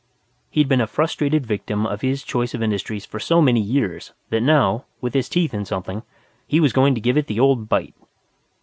He'd been a frustrated victim of his choice of industries for so many years that now, with his teeth in something, he was going to give it the old bite.